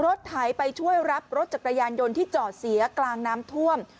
ไถไปช่วยรับรถจักรยานยนต์ที่จอดเสียกลางน้ำท่วม